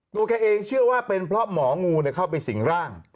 ตัวแกเองเชื่อว่าเป็นเพราะหมองูเข้าไปสิงร่าง